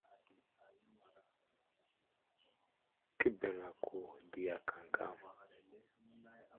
Kə bəŋ ako diya kamkam.